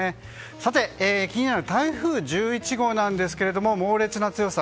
さて、気になる台風１１号なんですけども猛烈な強さ。